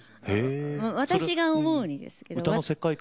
私が思うにですけれども。